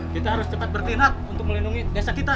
kita harus cepat bertindak untuk melindungi desa kita